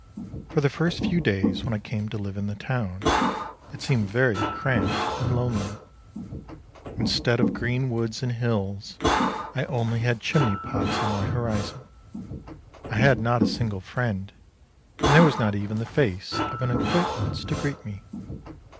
For the first few days when I came to live in the town, it seemed very cramped and lonely. Instead of green woods and hills, I only had chimney pots on my horizon. I had not a single friend, and there was not even the face of an acquaintance to greet me.